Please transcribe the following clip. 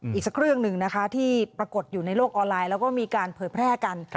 อีกสักเรื่องหนึ่งนะคะที่ปรากฏอยู่ในโลกออนไลน์แล้วก็มีการเผยแพร่กัน